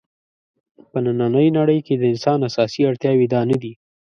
په نننۍ نړۍ کې د انسان اساسي اړتیاوې دا نه دي.